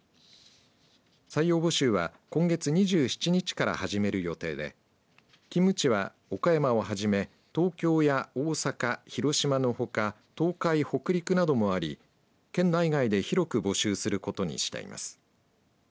採用募集は今月２７日から始める予定で勤務地は岡山をはじめ東京や大阪広島のほか東海北陸などもあり県内外で広く募集することにしています。